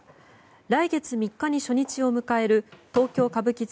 来月３日に初日を迎える東京・歌舞伎座